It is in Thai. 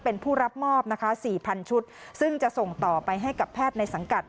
เป็นผู้รับมอบนะคะ๔๐๐ชุดซึ่งจะส่งต่อไปให้กับแพทย์ในสังกัด